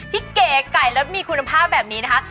เก๋ไก่แล้วมีคุณภาพแบบนี้นะคะ